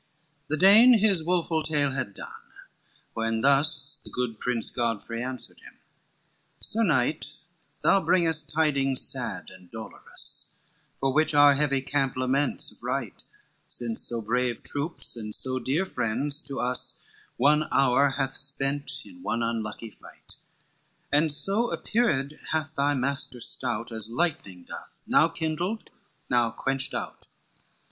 XLIII The Dane his woful tale had done, when thus The good Prince Godfrey answered him, "Sir knight, Thou bringest tidings sad and dolorous, For which our heavy camp laments of right, Since so brave troops and so dear friends to us, One hour hath spent, in one unlucky fight; And so appeared hath thy master stout, As lightning doth, now kindled, now quenched out.